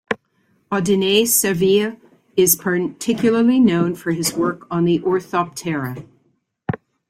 Audinet-Serville is particularly known for his work on the Orthoptera.